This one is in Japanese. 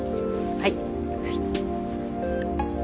はい。